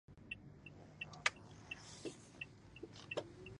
نړیوال قوانین د هیوادونو ترمنځ د اړیکو سره رامنځته کیږي